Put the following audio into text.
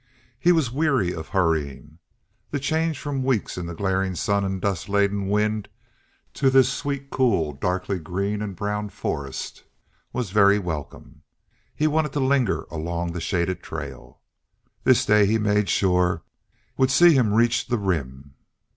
He was weary of hurrying; the change from weeks in the glaring sun and dust laden wind to this sweet coot darkly green and brown forest was very welcome; he wanted to linger along the shaded trail. This day he made sure would see him reach the Rim.